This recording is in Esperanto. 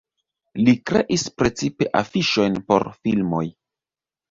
Li kreis precipe afiŝojn por filmoj.